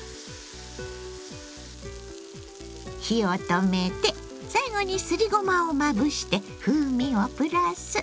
火を止めて最後にすりごまをまぶして風味をプラス。